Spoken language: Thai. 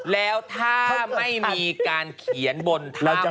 แล้วถ้าไม่มีการเขียนบนทาง